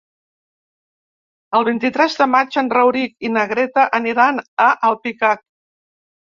El vint-i-tres de maig en Rauric i na Greta aniran a Alpicat.